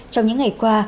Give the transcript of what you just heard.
trong những ngày qua